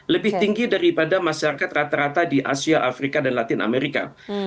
lebih tinggi daripada masyarakat rata rata di asia afrika dan latin amerika